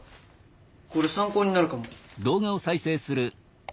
これ参考になるかも。